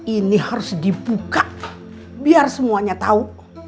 ini harus dibuka biar semuanya tahu